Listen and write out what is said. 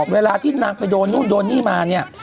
เวลาที่นางไปโยนนี่มาเนี่ย